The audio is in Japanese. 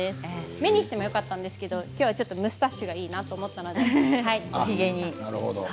目にしてもよかったんですがきょうはムスタッシュがいいなと思ったので。